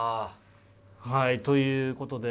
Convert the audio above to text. はいということで。